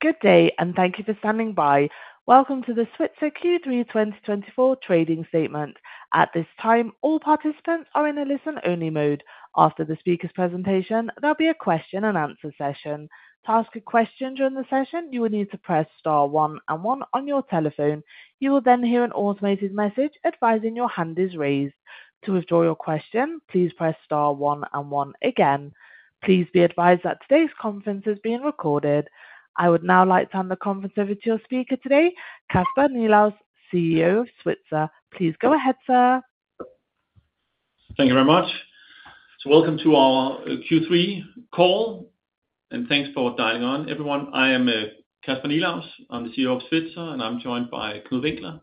Good day, and thank you for standing by. Welcome to the Svitzer Q3 2024 Trading Statement. At this time, all participants are in a listen-only mode. After the speaker's presentation, there'll be a question-and-answer session. To ask a question during the session, you will need to press star one and one on your telephone. You will then hear an automated message advising your hand is raised. To withdraw your question, please press star one and one again. Please be advised that today's conference is being recorded. I would now like to hand the conference over to your speaker today, Kasper Nilaus, CEO of Svitzer. Please go ahead, sir. Thank you very much. So welcome to our Q3 call, and thanks for dialing on, everyone. I am Kasper Nilaus. I'm the CEO of Svitzer, and I'm joined by Knud Winkler,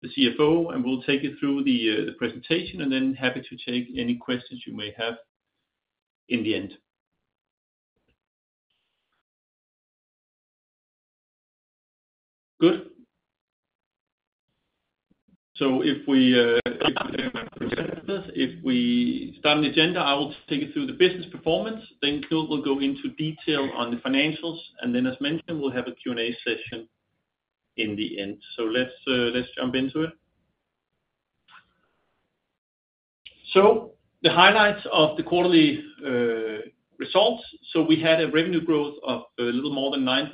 the CFO, and we'll take you through the presentation, and then happy to take any questions you may have in the end. Good. So if we present us, if we start an agenda, I will take you through the business performance. Then Knud will go into detail on the financials, and then, as mentioned, we'll have a Q&A session in the end. So let's jump into it. So the highlights of the quarterly results. So we had a revenue growth of a little more than 9%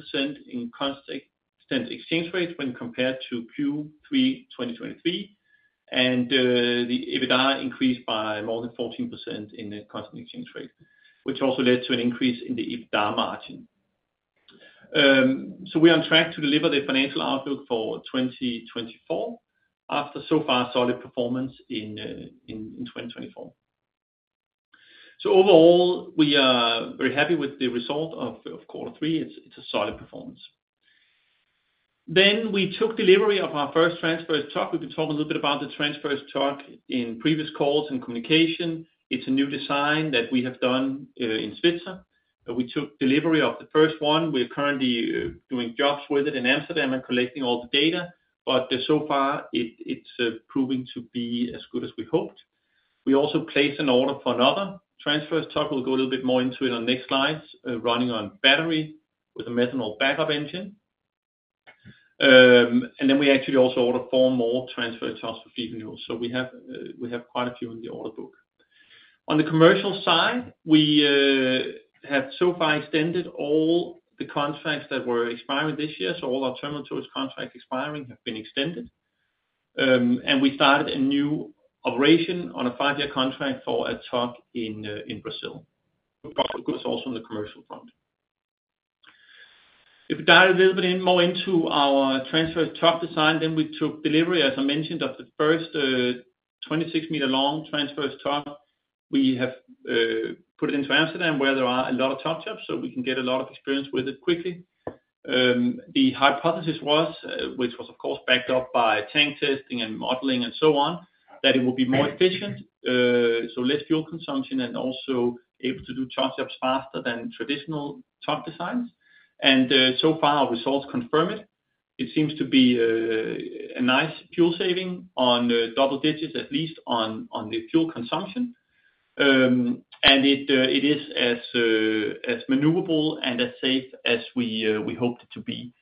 in constant exchange rate when compared to Q3 2023, and the EBITDA increased by more than 14% in the constant exchange rate, which also led to an increase in the EBITDA margin. We are on track to deliver the financial outlook for 2024 after so far solid performance in 2024. Overall, we are very happy with the result of quarter three. It's a solid performance. We took delivery of our first TRAnsverse tug. We've been talking a little bit about the TRAnsverse tug in previous calls and communication. It's a new design that we have done in Svitzer. We took delivery of the first one. We're currently doing jobs with it in Amsterdam and collecting all the data, but so far it's proving to be as good as we hoped. We also placed an order for another TRAnsverse tug. We'll go a little bit more into it on the next slides, running on battery with a methanol backup engine. We actually also ordered four more TRAnsverse tugs for fleet renewal. So we have quite a few in the order book. On the commercial side, we have so far extended all the contracts that were expiring this year. So all our terminal towage contracts expiring have been extended, and we started a new operation on a five-year contract for a terminal in Brazil. We've got good news also on the commercial front. If we dive a little bit more into our TRAnsverse tug design, then we took delivery, as I mentioned, of the first 26-meter-long TRAnsverse tug. We have put it into Amsterdam, where there are a lot of towage jobs, so we can get a lot of experience with it quickly. The hypothesis was, which was of course backed up by tank testing and modeling and so on, that it will be more efficient, so less fuel consumption, and also able to do towage jobs faster than traditional tug designs. So far, our results confirm it. It seems to be a nice fuel saving on double digits, at least on the fuel consumption. It is as maneuverable and as safe as we hoped it to be.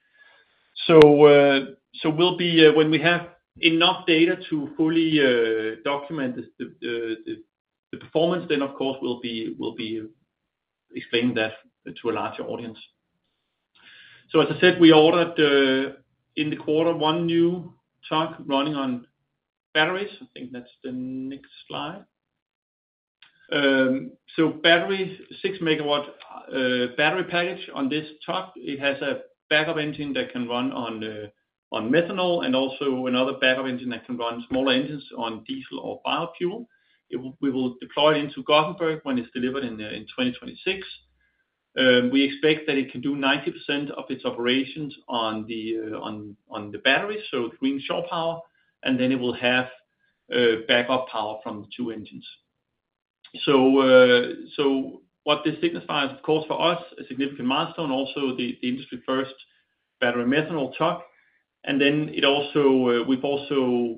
When we have enough data to fully document the performance, then of course we'll be explaining that to a larger audience. As I said, we ordered in the quarter one new tug running on batteries. I think that's the next slide. Batteries, six-megawatt battery package on this tug. It has a backup engine that can run on methanol and also another backup engine that can run on diesel or biofuel. We will deploy it into Gothenburg when it's delivered in 2026. We expect that it can do 90% of its operations on the batteries, so green shore power, and then it will have backup power from the two engines. What this signifies, of course, for us, a significant milestone, also the industry-first battery-methanol tug. And then we've also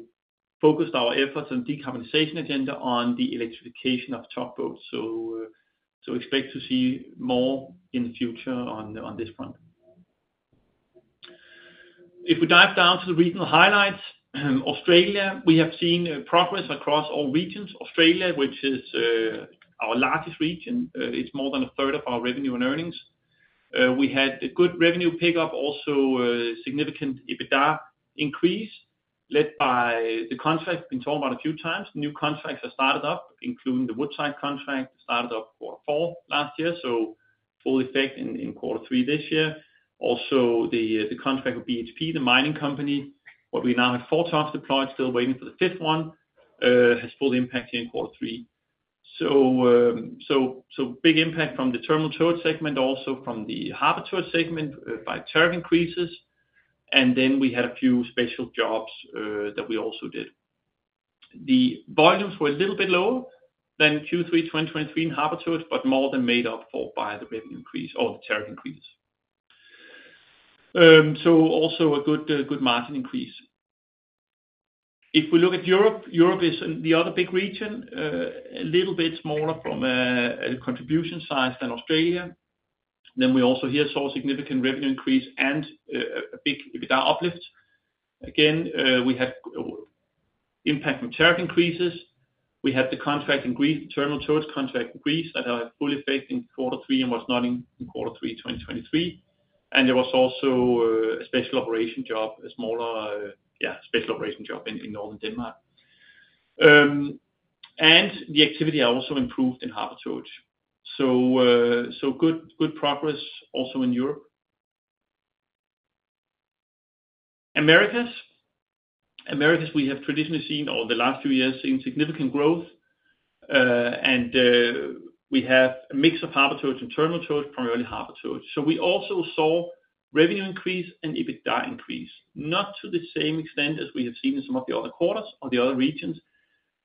focused our efforts on decarbonization agenda on the electrification of tug boats. Expect to see more in the future on this front. If we dive down to the regional highlights, Australia, we have seen progress across all regions. Australia, which is our largest region, it's more than a third of our revenue and earnings. We had a good revenue pickup, also significant EBITDA increase led by the contract we've been talking about a few times. New contracts have started up, including the Woodside contract that started up quarter four last year, so full effect in quarter three this year. Also, the contract with BHP, the mining company—what we now have four tugs deployed, still waiting for the fifth one—has full impact here in quarter three. So big impact from the terminal towage segment, also from the harbor towage segment by tariff increases. And then we had a few special jobs that we also did. The volumes were a little bit lower than Q3 2023 in harbor towage, but more than made up for by the revenue increase or the tariff increase. So also a good margin increase. If we look at Europe, Europe is the other big region, a little bit smaller from a contribution size than Australia. Then we also here saw significant revenue increase and a big EBITDA uplift. Again, we had impact from tariff increases. We had the contract in Greece, the terminal towage contract in Greece that had full effect in quarter three and was not in quarter three 2023. There was also a special operation job, a smaller special operation job in Northern Denmark. The activity also improved in harbor towage. Good progress also in Europe. In Americas, we have traditionally seen over the last few years significant growth, and we have a mix of harbor towage and terminal towage, primarily harbor towage. We also saw revenue increase and EBITDA increase, not to the same extent as we have seen in some of the other quarters or the other regions,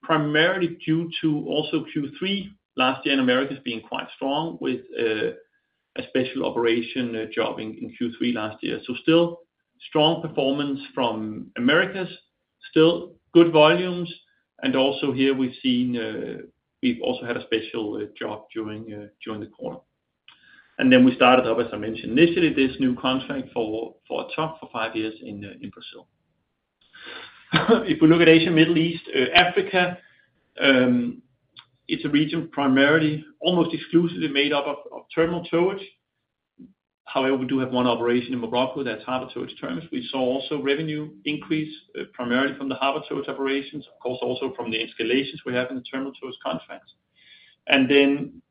primarily due to also Q3 last year in Americas being quite strong with a special operation job in Q3 last year. Still strong performance from Americas, still good volumes, and also here we've seen we've also had a special job during the quarter. And then we started up, as I mentioned initially, this new contract for a towage for five years in Brazil. If we look at Asia, Middle East, Africa, it's a region primarily, almost exclusively made up of terminal towage. However, we do have one operation in Morocco that's harbor towage terminals. We saw also revenue increase primarily from the harbor towage operations, of course also from the installations we have in the terminal towage contracts. And then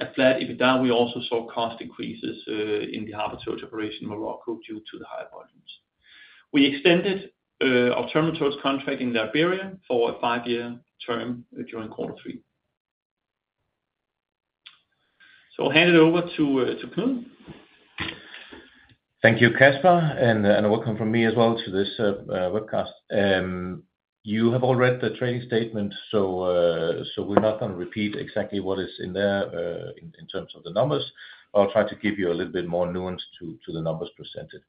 at flat EBITDA, we also saw cost increases in the harbor towage operation in Morocco due to the high volumes. We extended our terminal towage contract in Liberia for a five-year term during quarter three. So I'll hand it over to Knud. Thank you, Kasper, and a welcome from me as well to this webcast. You have all read the Trading Statement, so we're not going to repeat exactly what is in there in terms of the numbers. I'll try to give you a little bit more nuance to the numbers presented.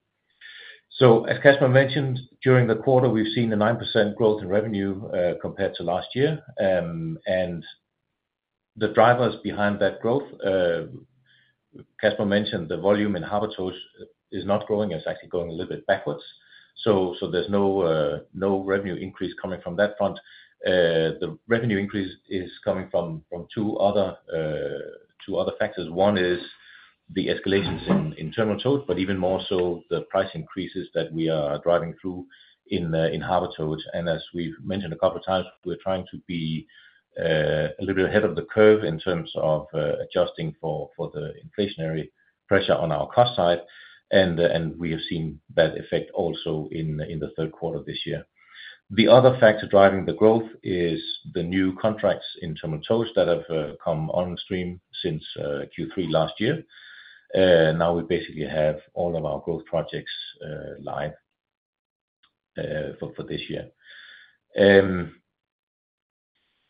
So as Kasper mentioned, during the quarter, we've seen a 9% growth in revenue compared to last year, and the drivers behind that growth, Kasper mentioned, the volume in harbor towage is not growing. It's actually going a little bit backwards. So there's no revenue increase coming from that front. The revenue increase is coming from two other factors. One is the escalations in terminal towage, but even more so the price increases that we are driving through in harbor towage. As we've mentioned a couple of times, we're trying to be a little bit ahead of the curve in terms of adjusting for the inflationary pressure on our cost side, and we have seen that effect also in the third quarter of this year. The other factor driving the growth is the new contracts in terminal towage that have come on stream since Q3 last year. Now we basically have all of our growth projects live for this year.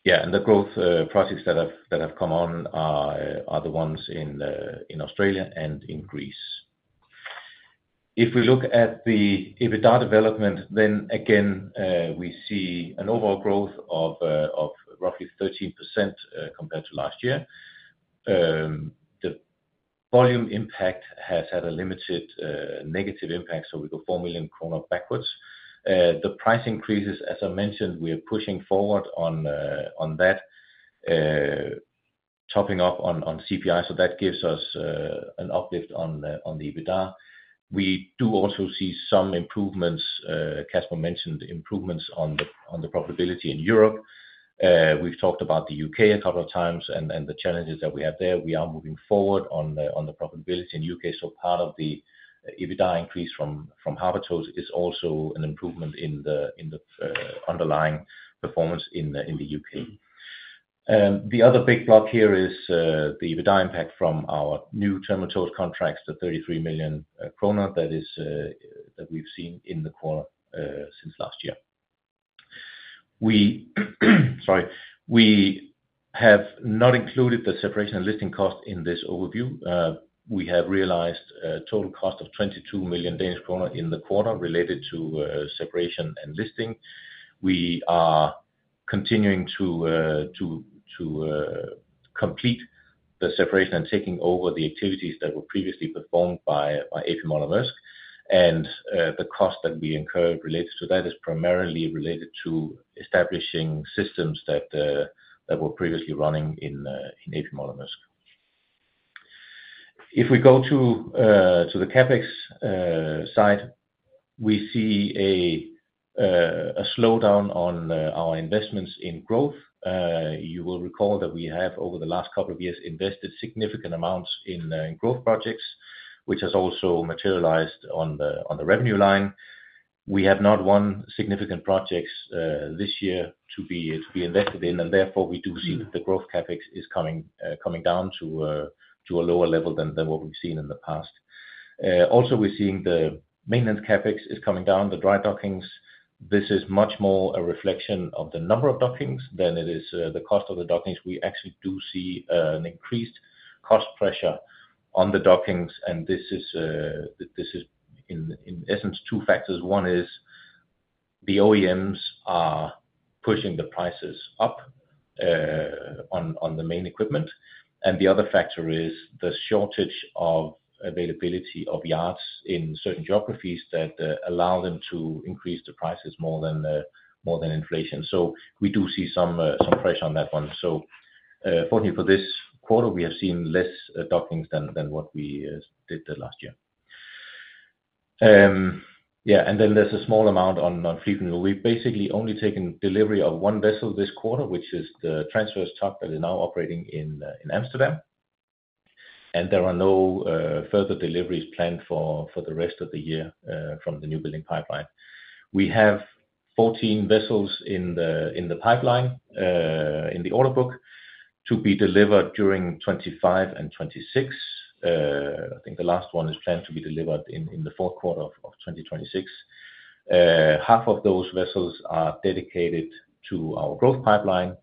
Yeah, and the growth projects that have come on are the ones in Australia and in Greece. If we look at the EBITDA development, then again, we see an overall growth of roughly 13% compared to last year. The volume impact has had a limited negative impact, so we go 4 million kroner backwards. The price increases, as I mentioned, we are pushing forward on that, topping up on CPI. So that gives us an uplift on the EBITDA. We do also see some improvements, Kasper mentioned, improvements on the profitability in Europe. We've talked about the U.K. a couple of times and the challenges that we have there. We are moving forward on the profitability in the U.K. So part of the EBITDA increase from harbor towage is also an improvement in the underlying performance in the U.K. The other big block here is the EBITDA impact from our new terminal towage contracts, the 33 million krone that we've seen in the quarter since last year. Sorry, we have not included the separation and listing cost in this overview. We have realized a total cost of 22 million Danish kroner in the quarter related to separation and listing. We are continuing to complete the separation and taking over the activities that were previously performed by A.P. Moller - Maersk. And the cost that we incurred related to that is primarily related to establishing systems that were previously running in A.P. Moller - Maersk. If we go to the CapEx side, we see a slowdown on our investments in growth. You will recall that we have over the last couple of years invested significant amounts in growth projects, which has also materialized on the revenue line. We have not won significant projects this year to be invested in, and therefore we do see that the growth CapEx is coming down to a lower level than what we've seen in the past. Also, we're seeing the maintenance CapEx is coming down, the dry dockings. This is much more a reflection of the number of dockings than it is the cost of the dockings. We actually do see an increased cost pressure on the dockings, and this is in essence two factors. One is the OEMs are pushing the prices up on the main equipment, and the other factor is the shortage of availability of yards in certain geographies that allow them to increase the prices more than inflation. So we do see some pressure on that one. So fortunately for this quarter, we have seen less dockings than what we did last year. Yeah, and then there's a small amount on fleet renewal. We've basically only taken delivery of one vessel this quarter, which is the TRAnsverse tug that is now operating in Amsterdam. And there are no further deliveries planned for the rest of the year from the new building pipeline. We have 14 vessels in the pipeline in the order book to be delivered during 2025 and 2026. I think the last one is planned to be delivered in the fourth quarter of 2026. Half of those vessels are dedicated to our growth pipeline.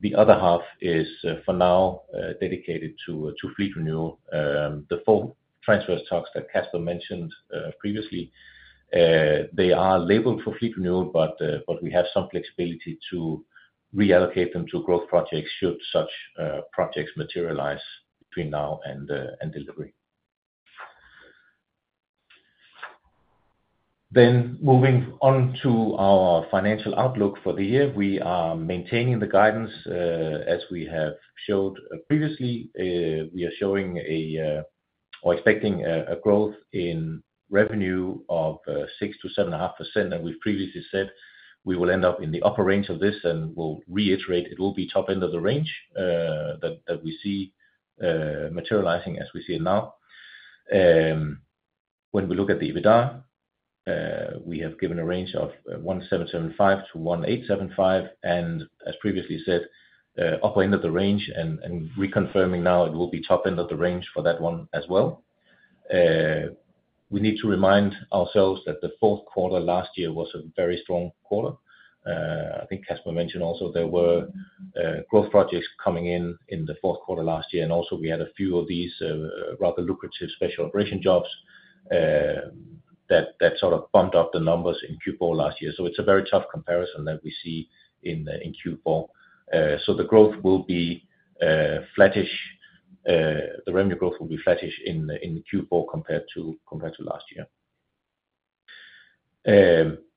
The other half is for now dedicated to fleet renewal. The four TRAnsverse tugs that Kasper mentioned previously, they are labeled for fleet renewal, but we have some flexibility to reallocate them to growth projects should such projects materialize between now and delivery. Then moving on to our financial outlook for the year, we are maintaining the guidance as we have showed previously. We are showing or expecting a growth in revenue of 6%-7.5%, and we've previously said we will end up in the upper range of this, and we'll reiterate it will be top end of the range that we see materializing as we see it now. When we look at the EBITDA, we have given a range of 1,775-1,875, and as previously said, upper end of the range and reconfirming now it will be top end of the range for that one as well. We need to remind ourselves that the fourth quarter last year was a very strong quarter. I think Kasper mentioned also there were growth projects coming in in the fourth quarter last year, and also we had a few of these rather lucrative special operation jobs that sort of bumped up the numbers in Q4 last year, so it's a very tough comparison that we see in Q4, so the growth will be flattish. The revenue growth will be flattish in Q4 compared to last year.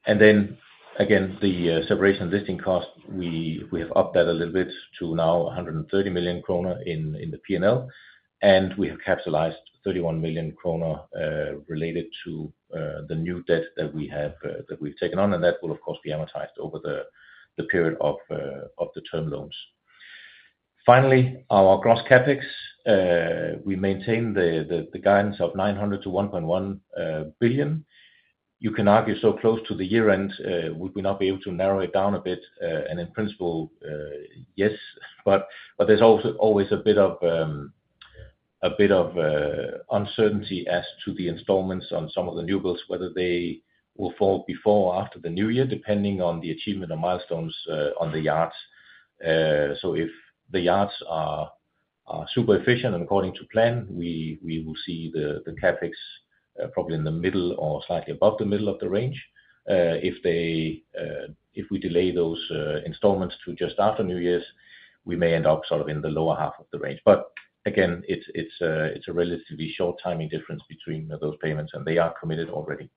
Then again, the separation and listing cost, we have upped that a little bit to now 130 million kroner in the P&L, and we have capitalized 31 million kroner related to the new debt that we have taken on, and that will, of course, be amortized over the period of the term loans. Finally, our gross CapEx, we maintain the guidance of 900 million-1.1 billion. You can argue so close to the year end, would we not be able to narrow it down a bit? In principle, yes, but there's also always a bit of uncertainty as to the installments on some of the new builds, whether they will fall before or after the new year, depending on the achievement of milestones on the yards. If the yards are super efficient and according to plan, we will see the CapEx probably in the middle or slightly above the middle of the range. If we delay those installments to just after New Year's, we may end up sort of in the lower half of the range. But again, it's a relatively short timing difference between those payments, and they are committed already.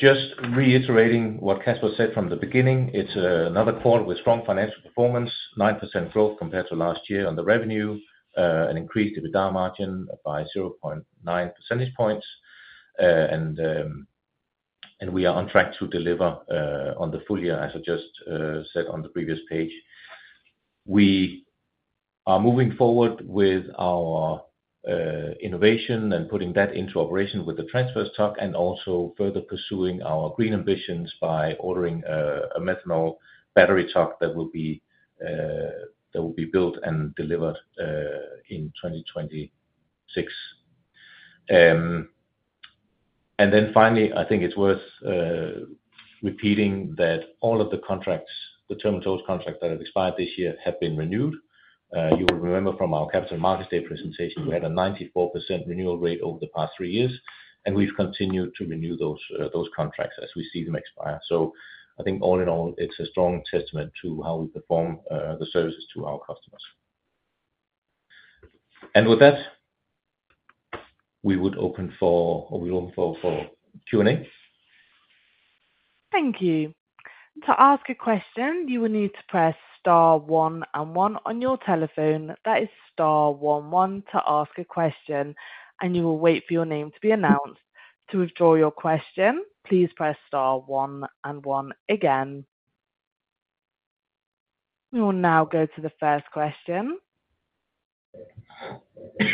Just reiterating what Kasper said from the beginning, it's another quarter with strong financial performance, 9% growth compared to last year on the revenue, an increased EBITDA margin by 0.9 percentage points, and we are on track to deliver on the full year, as I just said on the previous page. We are moving forward with our innovation and putting that into operation with the TRAnsverse tug and also further pursuing our green ambitions by ordering a methanol battery tug that will be built and delivered in 2026. And then finally, I think it's worth repeating that all of the contracts, the terminal towage contracts that have expired this year have been renewed. You will remember from our Capital Markets Day presentation, we had a 94% renewal rate over the past three years, and we've continued to renew those contracts as we see them expire. So I think all in all, it's a strong testament to how we perform the services to our customers. And with that, we would open for Q&A. Thank you. To ask a question, you will need to press star one and one on your telephone. That is star one one to ask a question, and you will wait for your name to be announced. To withdraw your question, please press star one and one again. We will now go to the first question.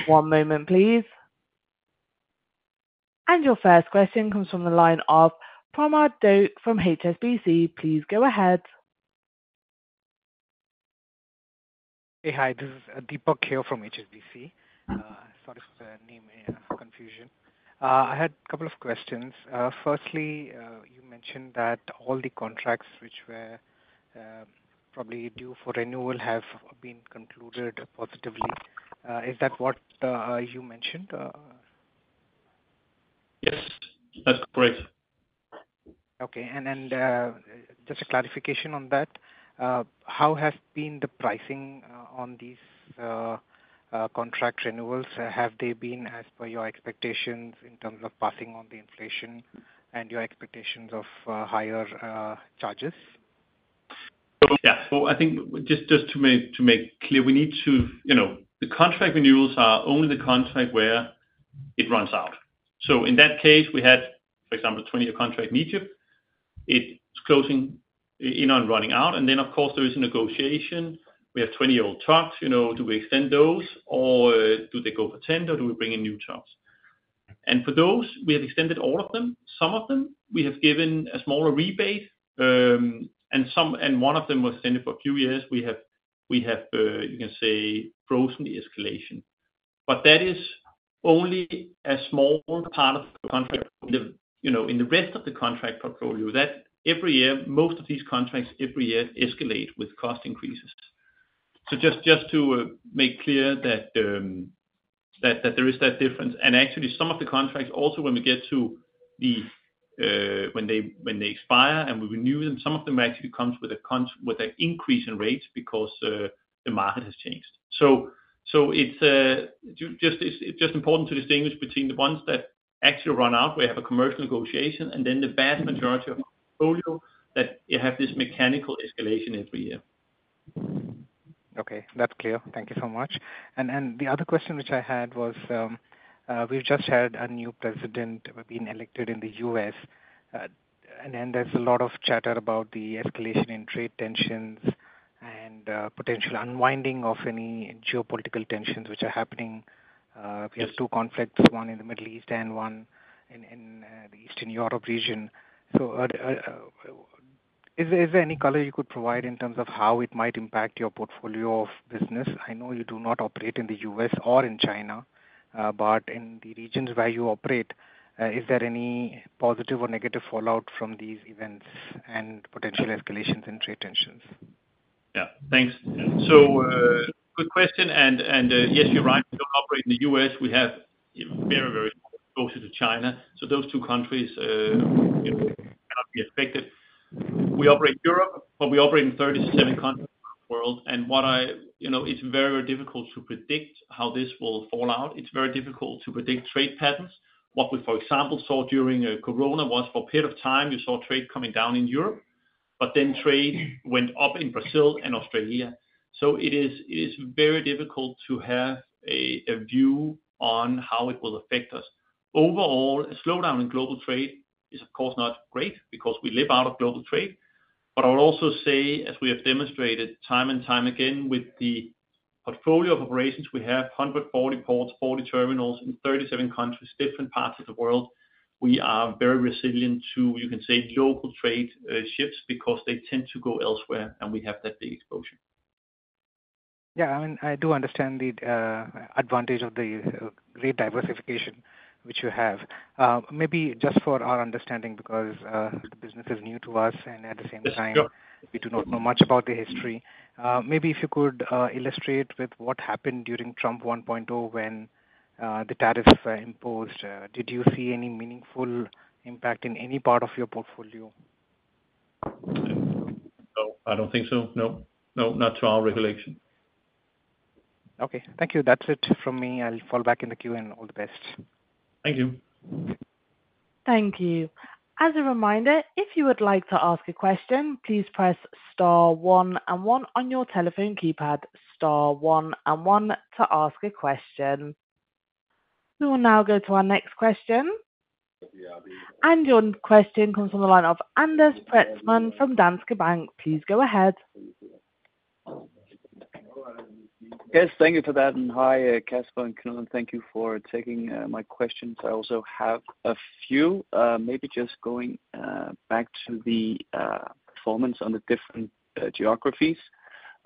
One moment, please. And your first question comes from the line of Deepak Kale from HSBC. Please go ahead. Hey, hi. This is Deepak Kale from HSBC. Sorry for the name confusion. I had a couple of questions. Firstly, you mentioned that all the contracts which were probably due for renewal have been concluded positively. Is that what you mentioned? Yes, that's correct. Okay, and just a clarification on that: how has been the pricing on these contract renewals? Have they been as per your expectations in terms of passing on the inflation and your expectations of higher charges? Yeah. Well, I think just to make clear, we need to the contract renewals are only the contract where it runs out. So in that case, we had, for example, 20-year contract in the UK. It's closing in on running out. And then, of course, there is a negotiation. We have 20-year-old tugs. Do we extend those, or do they go to tender, or do we bring in new tugs? And for those, we have extended all of them. Some of them, we have given a smaller rebate, and one of them was extended for a few years. We have, you can say, frozen the escalation. But that is only a small part of the contract in the rest of the contract portfolio that every year, most of these contracts every year escalate with cost increases. So just to make clear that there is that difference. Actually, some of the contracts also, when we get to when they expire and we renew them, some of them actually come with an increase in rates because the market has changed. It's just important to distinguish between the ones that actually run out where you have a commercial negotiation, and then the vast majority of the portfolio that you have this mechanical escalation every year. Okay. That's clear. Thank you so much. And the other question which I had was we've just had a new president being elected in the U.S., and there's a lot of chatter about the escalation in trade tensions and potential unwinding of any geopolitical tensions which are happening. We have two conflicts, one in the Middle East and one in the Eastern Europe region. So is there any color you could provide in terms of how it might impact your portfolio of business? I know you do not operate in the U.S. or in China, but in the regions where you operate, is there any positive or negative fallout from these events and potential escalations in trade tensions? Yeah. Thanks. So good question. And yes, you're right. We don't operate in the U.S. We have very, very close to China. So those two countries cannot be affected. We operate in Europe, but we operate in 37 countries around the world. And it's very, very difficult to predict how this will fall out. It's very difficult to predict trade patterns. What we, for example, saw during Corona was for a period of time, you saw trade coming down in Europe, but then trade went up in Brazil and Australia. So it is very difficult to have a view on how it will affect us. Overall, a slowdown in global trade is, of course, not great because we live out of global trade. But I would also say, as we have demonstrated time and time again with the portfolio of operations, we have 140 ports, 40 terminals in 37 countries, different parts of the world. We are very resilient to, you can say, local trade shifts because they tend to go elsewhere, and we have that big exposure. Yeah. I mean, I do understand the advantage of the great diversification which you have. Maybe just for our understanding, because the business is new to us, and at the same time, we do not know much about the history, maybe if you could illustrate with what happened during Trump 1.0 when the tariffs were imposed, did you see any meaningful impact in any part of your portfolio? No, I don't think so. No, no, not to our regulation. Okay. Thank you. That's it from me. I'll fall back in the Q&A. All the best. Thank you. Thank you. As a reminder, if you would like to ask a question, please press star one and one on your telephone keypad, star one and one to ask a question. We will now go to our next question, and your question comes from the line of Anders Pretzmann from Danske Bank. Please go ahead. Yes, thank you for that and hi, Kasper and Knud. Thank you for taking my questions. I also have a few, maybe just going back to the performance on the different geographies.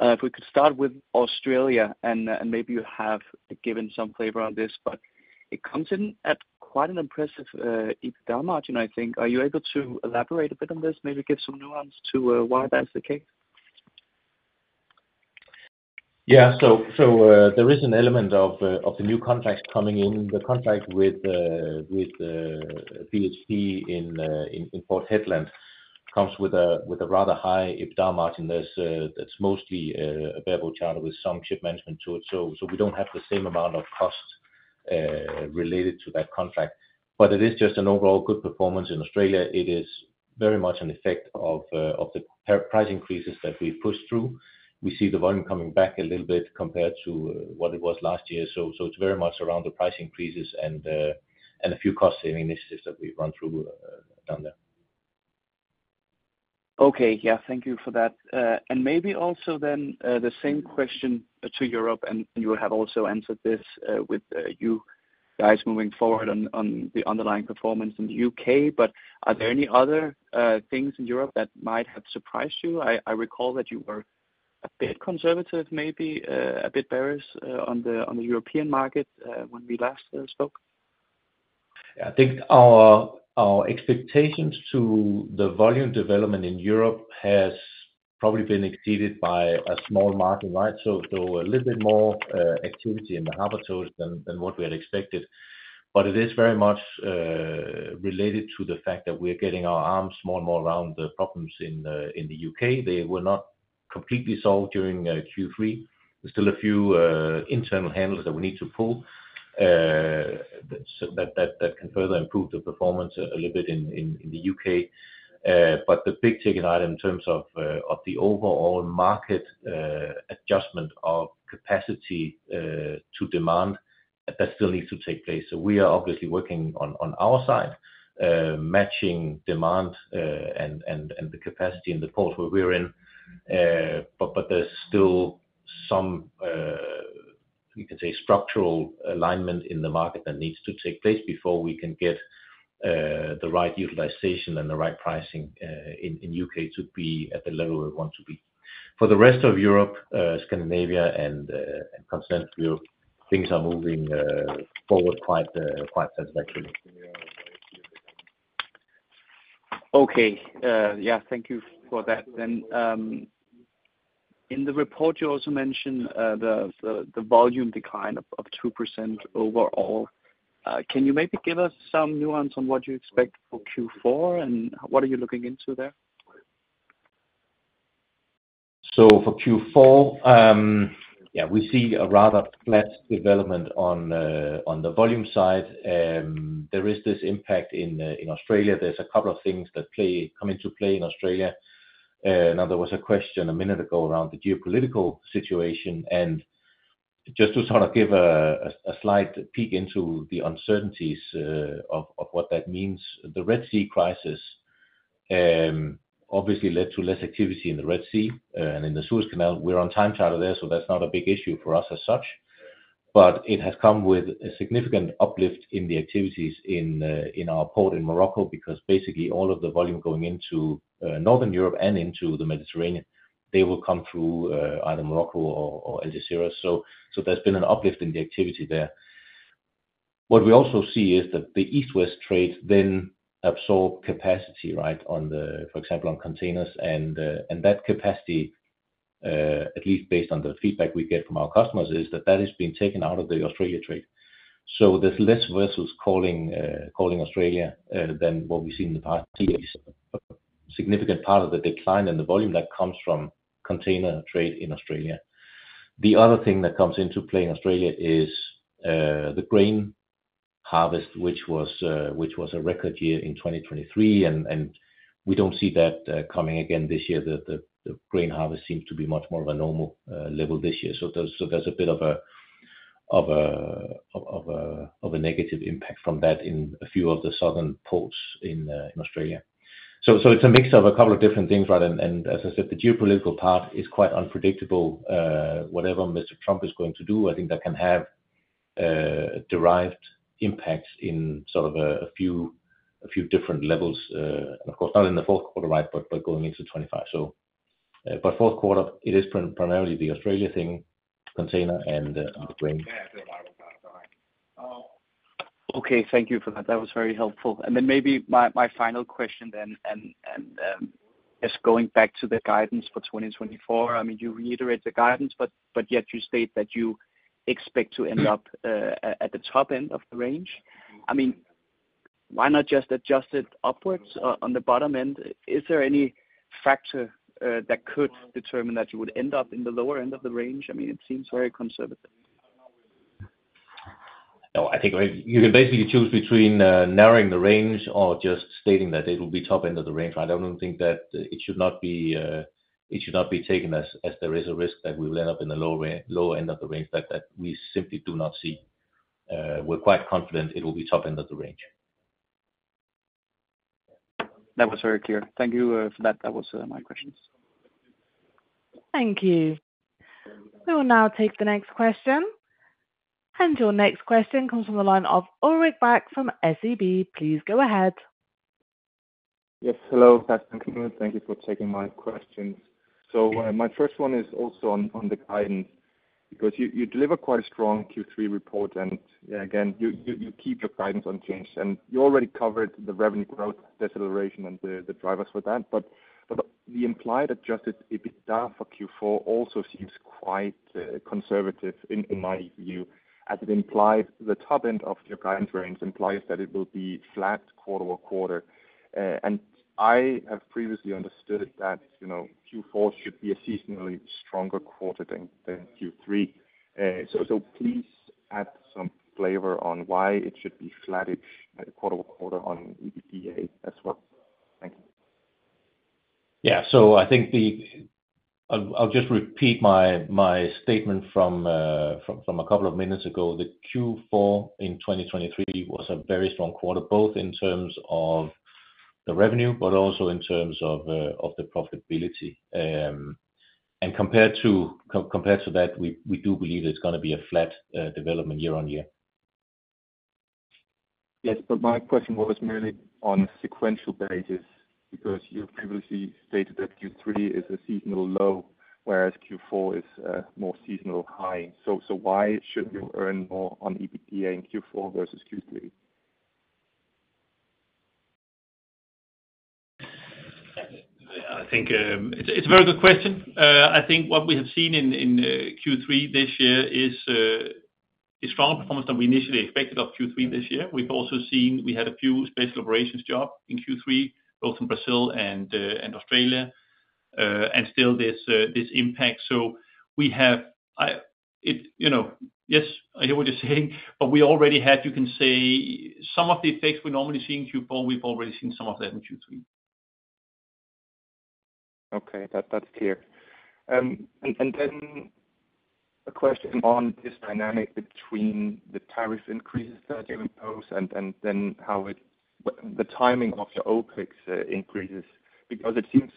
If we could start with Australia, and maybe you have given some flavor on this, but it comes in at quite an impressive EBITDA margin, I think. Are you able to elaborate a bit on this, maybe give some nuance to why that's the case? Yeah, so there is an element of the new contracts coming in. The contract with BHP in Port Hedland comes with a rather high EBITDA margin. That's mostly a variable charter with some ship management to it. So we don't have the same amount of cost related to that contract, but it is just an overall good performance in Australia. It is very much an effect of the price increases that we've pushed through. We see the volume coming back a little bit compared to what it was last year, so it's very much around the price increases and a few cost-saving initiatives that we've run through down there. Okay. Yeah. Thank you for that. And maybe also then the same question to Europe, and you will have also answered this with you guys moving forward on the underlying performance in the U.K. But are there any other things in Europe that might have surprised you? I recall that you were a bit conservative, maybe a bit bearish on the European market when we last spoke. Yeah. I think our expectations to the volume development in Europe has probably been exceeded by a small margin, right? So a little bit more activity in the harbor towage than what we had expected. But it is very much related to the fact that we are getting our arms more and more around the problems in the U.K. They were not completely solved during Q3. There's still a few internal handles that we need to pull that can further improve the performance a little bit in the U.K. But the big ticket item in terms of the overall market adjustment of capacity to demand, that still needs to take place. So we are obviously working on our side, matching demand and the capacity in the port where we're in. But there's still some, you can say, structural alignment in the market that needs to take place before we can get the right utilization and the right pricing in the U.K. to be at the level we want to be. For the rest of Europe, Scandinavia, and continental Europe, things are moving forward quite satisfactorily. Okay. Yeah. Thank you for that. And in the report, you also mentioned the volume decline of 2% overall. Can you maybe give us some nuance on what you expect for Q4, and what are you looking into there? So for Q4, yeah, we see a rather flat development on the volume side. There is this impact in Australia. There's a couple of things that come into play in Australia. Now, there was a question a minute ago around the geopolitical situation. And just to sort of give a slight peek into the uncertainties of what that means, the Red Sea crisis obviously led to less activity in the Red Sea and in the Suez Canal. We're on time charter there, so that's not a big issue for us as such. But it has come with a significant uplift in the activities in our port in Morocco because basically all of the volume going into Northern Europe and into the Mediterranean, they will come through either Morocco or Algeciras. So there's been an uplift in the activity there. What we also see is that the East-West trade then absorbed capacity, right, for example, on containers. And that capacity, at least based on the feedback we get from our customers, is that that is being taken out of the Australia trade. So there's less vessels calling Australia than what we've seen in the past years. A significant part of the decline in the volume that comes from container trade in Australia. The other thing that comes into play in Australia is the grain harvest, which was a record year in 2023. And we don't see that coming again this year. The grain harvest seems to be much more of a normal level this year. So there's a bit of a negative impact from that in a few of the southern ports in Australia. So it's a mix of a couple of different things, right? As I said, the geopolitical part is quite unpredictable. Whatever Mr. Trump is going to do, I think that can have derived impacts in sort of a few different levels. And of course, not in the fourth quarter, right, but going into 2025. But fourth quarter, it is primarily the Australia thing, container and grain. Okay. Thank you for that. That was very helpful. And then maybe my final question then, and just going back to the guidance for 2024, I mean, you reiterate the guidance, but yet you state that you expect to end up at the top end of the range. I mean, why not just adjust it upwards on the bottom end? Is there any factor that could determine that you would end up in the lower end of the range? I mean, it seems very conservative. No, I think you can basically choose between narrowing the range or just stating that it will be top end of the range. I don't think that it should not be taken as there is a risk that we will end up in the lower end of the range that we simply do not see. We're quite confident it will be top end of the range. That was very clear. Thank you for that. That was my questions. Thank you. We will now take the next question. And your next question comes from the line of Ulrik Bak from SEB. Please go ahead. Yes. Hello, Kasper, Knud. Thank you for taking my questions. So my first one is also on the guidance because you deliver quite a strong Q3 report, and again, you keep your guidance unchanged. And you already covered the revenue growth deceleration and the drivers for that. But the implied adjusted EBITDA for Q4 also seems quite conservative in my view, as it implies the top end of your guidance range implies that it will be flat quarter over quarter. And I have previously understood that Q4 should be a seasonally stronger quarter than Q3. So please add some flavor on why it should be flat quarter over quarter on EBITDA as well. Thank you. Yeah. So I think I'll just repeat my statement from a couple of minutes ago. The Q4 in 2023 was a very strong quarter, both in terms of the revenue, but also in terms of the profitability. And compared to that, we do believe it's going to be a flat development year on year. Yes. But my question was mainly on sequential basis because you previously stated that Q3 is a seasonal low, whereas Q4 is more seasonal high. So why should you earn more on EBITDA in Q4 versus Q3? I think it's a very good question. I think what we have seen in Q3 this year is stronger performance than we initially expected of Q3 this year. We've also seen we had a few special operations jobs in Q3, both in Brazil and Australia. And still, there's impact. So we have yes, I hear what you're saying, but we already had, you can say, some of the effects we're normally seeing in Q4, we've already seen some of that in Q3. Okay. That's clear. And then a question on this dynamic between the tariff increases that you impose and then how the timing of your OpEx increases because it seems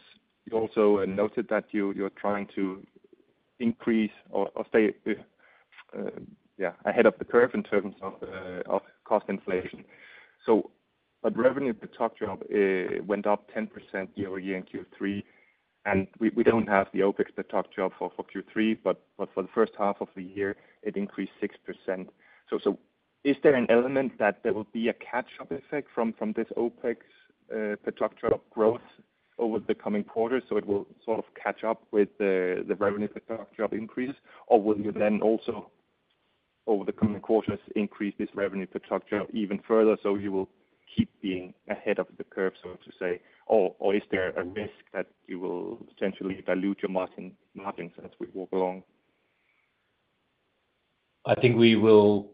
you also noted that you're trying to increase or stay, yeah, ahead of the curve in terms of cost inflation. But revenue per towage job went up 10% year over year in Q3. And we don't have the OpEx per towage job for Q3, but for the first half of the year, it increased 6%. So is there an element that there will be a catch-up effect from this OpEx per towage job growth over the coming quarters so it will sort of catch up with the revenue per towage job increases? Or will you then also, over the coming quarters, increase this revenue per towage job even further so you will keep being ahead of the curve, so to say? Or is there a risk that you will essentially dilute your margins as we walk along? I think we will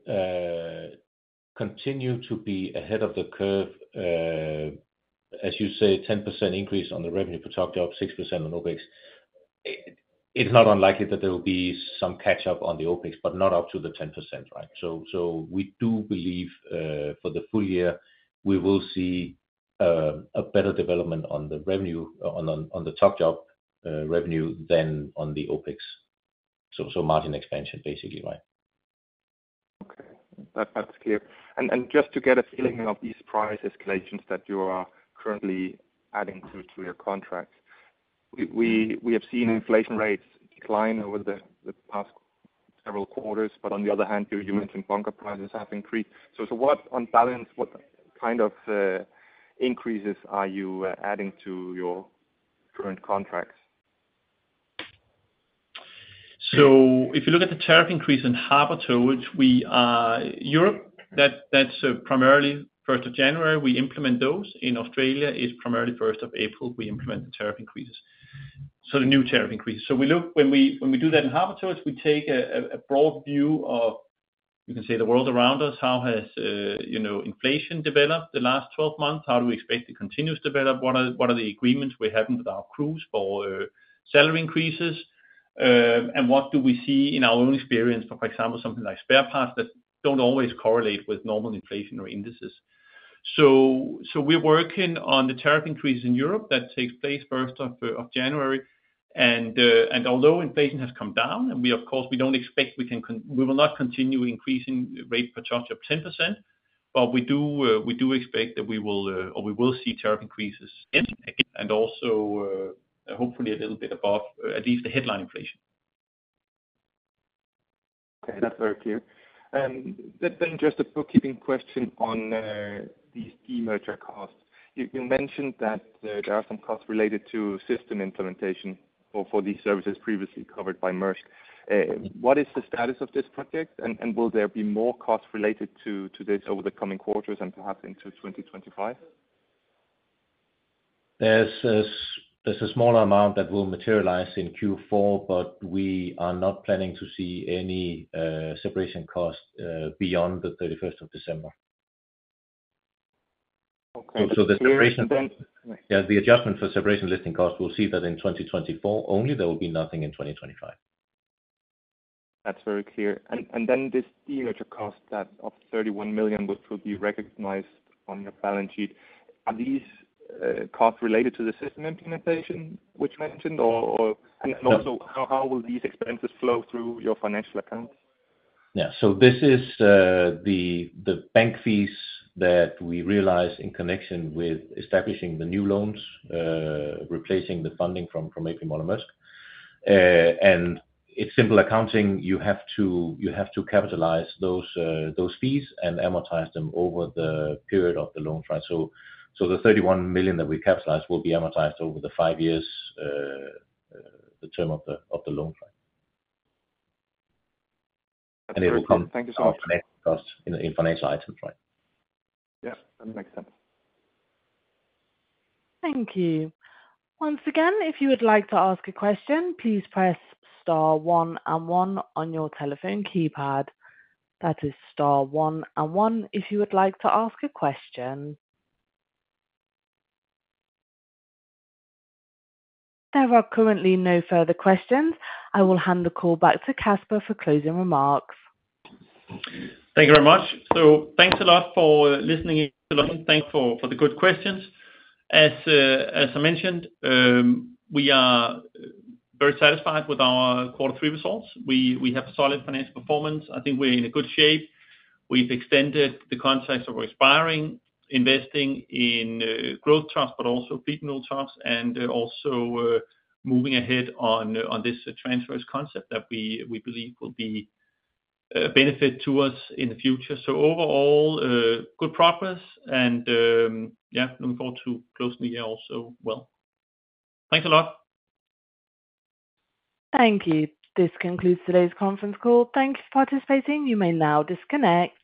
continue to be ahead of the curve. As you say, 10% increase on the revenue per towage job, 6% on OpEx. It's not unlikely that there will be some catch-up on the OpEx, but not up to the 10%, right? So we do believe for the full year, we will see a better development on the revenue, on the towage job revenue than on the OpEx. So margin expansion, basically, right? Okay. That's clear. And just to get a feeling of these price escalations that you are currently adding to your contracts, we have seen inflation rates decline over the past several quarters. But on the other hand, you mentioned bunker prices have increased. So what on balance, what kind of increases are you adding to your current contracts? So if you look at the tariff increase in harbor towage Europe, that's primarily 1st of January. We implement those. In Australia, it's primarily 1st of April we implement the tariff increases. So the new tariff increases. So when we do that in harbor towage, we take a broad view of, you can say, the world around us. How has inflation developed the last 12 months? How do we expect it to continue to develop? What are the agreements we're having with our crews for salary increases? And what do we see in our own experience for, for example, something like spare parts that don't always correlate with normal inflationary indices? So we're working on the tariff increases in Europe that takes place 1st of January. Although inflation has come down, and of course, we don't expect we will not continue increasing rate per charged job 10%, but we do expect that we will see tariff increases again and also hopefully a little bit above, at least the headline inflation. Okay. That's very clear. And then just a bookkeeping question on these key merger costs. You mentioned that there are some costs related to system implementation for these services previously covered by Maersk. What is the status of this project, and will there be more costs related to this over the coming quarters and perhaps into 2025? There's a smaller amount that will materialize in Q4, but we are not planning to see any separation cost beyond the 31st of December. Okay. So the separation yeah, the adjustment for separation listing cost, we'll see that in 2024 only. There will be nothing in 2025. That's very clear. And then this deal cost of 31 million, which will be recognized on your balance sheet, are these costs related to the system implementation which you mentioned? And also, how will these expenses flow through your financial accounts? Yeah. So this is the bank fees that we realize in connection with establishing the new loans, replacing the funding from A.P. Moller - Maersk. And it's simple accounting. You have to capitalize those fees and amortize them over the period of the loan, right? So the 31 million that we capitalize will be amortized over the five years, the term of the loan, right? And it will come out in financial items, right? Yep. That makes sense. Thank you. Once again, if you would like to ask a question, please press star one and one on your telephone keypad. That is star one and one if you would like to ask a question. There are currently no further questions. I will hand the call back to Kasper for closing remarks. Thank you very much. So thanks a lot for listening in to the call. Thanks for the good questions. As I mentioned, we are very satisfied with our quarter three results. We have solid financial performance. I think we're in good shape. We've extended the contracts that were expiring, investing in growth thrusts, but also fleet renewal thrusts, and also moving ahead on this TRAnsverse concept that we believe will be a benefit to us in the future. So overall, good progress, and yeah, looking forward to closing the year also well. Thanks a lot. Thank you. This concludes today's conference call. Thank you for participating. You may now disconnect.